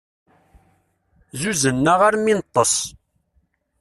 Zzuzznen-aɣ armi i neṭṭes.